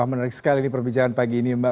wah menarik sekali ini perbicaraan pagi ini mbak